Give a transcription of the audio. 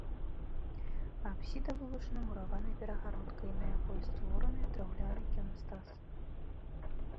Апсіда вылучана мураванай перагародкай, на якой створаны драўляны іканастас.